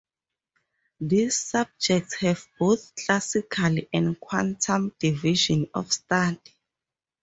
These subjects have both classical and quantum divisions of study.